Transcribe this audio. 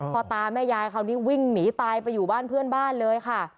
พ่อตาแม่ยายคราวนี้วิ่งหนีตายไปอยู่บ้านเพื่อนบ้านเลยค่ะ